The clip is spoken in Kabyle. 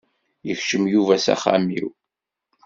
Yekcem Yuba s axxam-iw.